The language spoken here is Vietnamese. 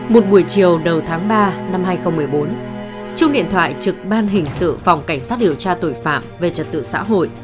một buổi chiều đầu tháng ba năm hai nghìn một mươi bốn trung điện thoại trực ban hình sự phòng cảnh sát điều tra tội phạm về trật tự xã hội